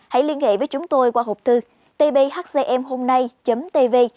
hãy liên hệ với chúng tôi qua hộp thư tbhcmhômnay tv